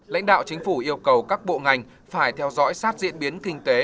lãnh đạo chính phủ yêu cầu các bộ ngành phải theo dõi sát diễn biến kinh tế